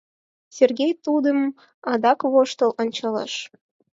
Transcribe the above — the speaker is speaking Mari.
— Сергей тудым адак воштыл ончалеш.